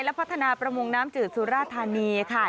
และพัฒนาประมงน้ำจืดสุราธานีค่ะ